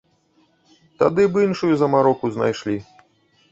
Тагды б іншую замароку знайшлі.